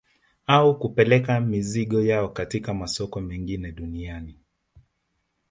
Au kupeleka mizigo yao katika masoko mengine ya dunia